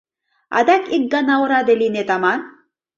Адак ик гана ораде лийнет аман.